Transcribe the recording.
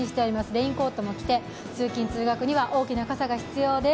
レインコートも来て通勤・通学には大きな傘が必要です。